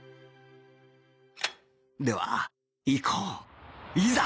ではいこう。いざ！